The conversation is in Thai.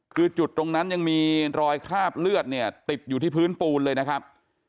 คือจุดตรงนั้นยังมีรอยคราบเลือดเนี่ยติดอยู่ที่พื้นปูนเลยนะครับ